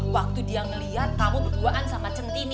waktu dia ngelihat kamu berduaan sama centini